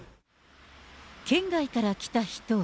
県外から来た人は。